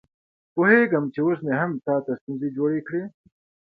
پوهېږم چې اوس مې هم تا ته ستونزه جوړه کړې.